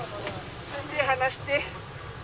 手離して。